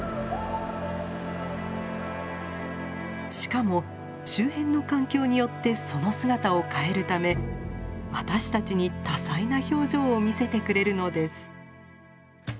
しかも周辺の環境によってその姿を変えるため私たちに多彩な表情を見せてくれるのです。